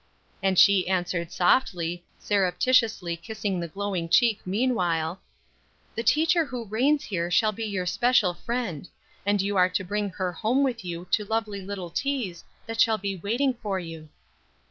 And she answered softly, surreptitiously kissing the glowing cheek meanwhile: "The teacher who reigns here shall be your special friend. And you are to bring her home with you to lovely little teas that shall be waiting for you."